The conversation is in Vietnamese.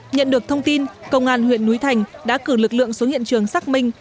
nhận được thông tin công an huyện núi thành đã cử lực lượng xuống hiện trường xác minh